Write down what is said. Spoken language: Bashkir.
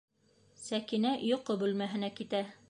Сәкинә йоҡо бүлмәһенә китә.